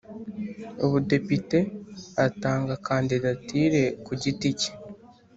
Ubudepite atanga kandidatire ku giti cye